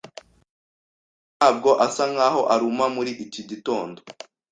Amafi ntabwo asa nkaho aruma muri iki gitondo.